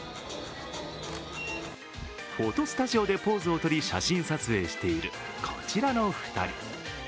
フォトスタジオでポーズをとり、写真撮影しているこちらの２人。